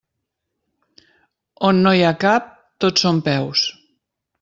On no hi ha cap, tot són peus.